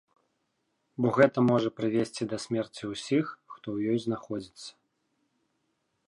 Бо гэта можа прывесці да смерці ўсіх, хто ў ёй знаходзіцца.